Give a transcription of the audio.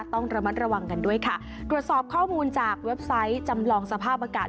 ต้องระมัดระวังกันด้วยค่ะตรวจสอบข้อมูลจากเว็บไซต์จำลองสภาพอากาศ